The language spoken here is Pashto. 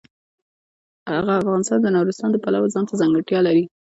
افغانستان د نورستان د پلوه ځانته ځانګړتیا لري.